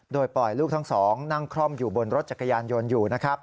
โดยปล่อยลูกทั้งสองนั่งคล่อมอยู่บนรถจักรยานยนต์อยู่นะครับ